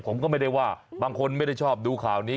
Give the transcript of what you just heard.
ผมก็ไม่ได้ว่าบางคนไม่ได้ชอบดูข่าวนี้